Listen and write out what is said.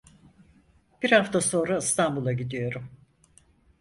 Bir hafta sonra İstanbul'a gidiyorum!